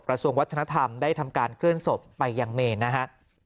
กระทรวงวัฒนธรรมได้ทำการเคลื่อนศพไปยังเมนนะฮะ